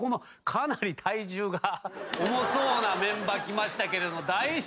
かなり体重が重そうなメンバー来ましたけれども大丈夫ですか？